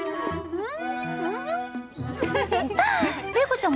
うん。